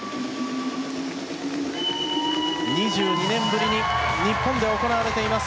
２２年ぶりに日本で行われています。